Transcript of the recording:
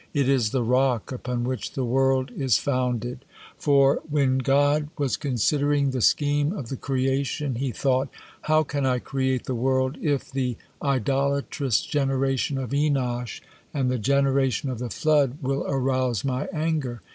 It is the rock upon which the world is founded. For, when God was considering the scheme of the creation, He thought, 'How can I create the world if the idolatrous generation of Enosh and the generation of the flood will arouse My anger?'